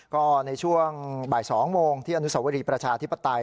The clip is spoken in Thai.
ก็ในช่วงบ่าย๒โมงที่อนุสวรีประชาธิปไตย